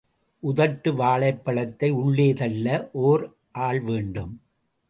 உதட்டு வாழைப் பழத்தை உள்ளே தள்ள ஓர் ஆள் வேண்டும்.